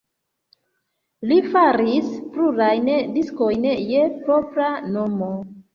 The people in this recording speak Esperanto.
Li faris plurajn diskojn je propra nomo.